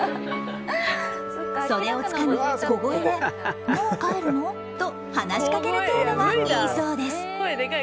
袖をつかみ小声でもう帰るの？と話しかける程度がいいそうです。